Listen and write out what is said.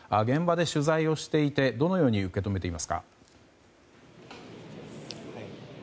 現場で取材をしていてどのように受け止めていますか。